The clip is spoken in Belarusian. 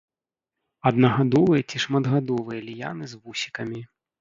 Аднагадовыя ці шматгадовыя ліяны з вусікамі.